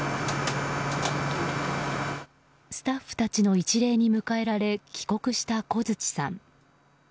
スタッフたちの一礼に迎えられ帰国した小槌さん。